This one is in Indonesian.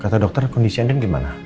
kata dokter kondisi anda gimana